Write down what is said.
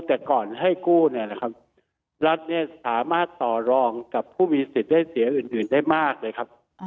แต่ก่อนให้กู้รัฐสามารถต่อรองกับผู้วิสิตได้เสียอื่นได้มากเลยครับ